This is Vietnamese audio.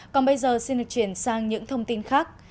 còn bây giờ xin được chuyển sang những thông tin khác